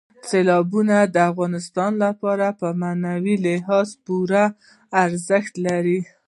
سیلابونه د افغانانو لپاره په معنوي لحاظ پوره ارزښت لري.